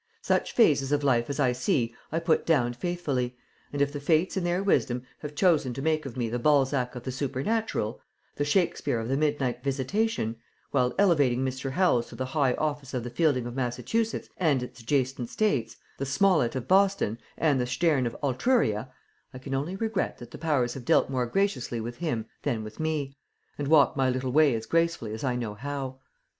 Such phases of life as I see I put down faithfully, and if the Fates in their wisdom have chosen to make of me the Balzac of the Supernatural, the Shakespeare of the Midnight Visitation, while elevating Mr. Howells to the high office of the Fielding of Massachusetts and its adjacent States, the Smollett of Boston, and the Sterne of Altruria, I can only regret that the powers have dealt more graciously with him than with me, and walk my little way as gracefully as I know how.